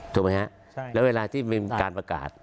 ถูกไหมฮะแล้วเวลาที่มีการประกาศ